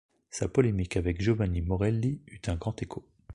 Sa polémique avec Giovanni Morelli eut un grand écho.